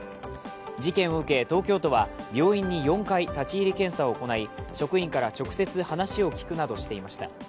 事件を受け、東京都は病院に４回立入検査を行い職員から直接話を聞くなどしていました。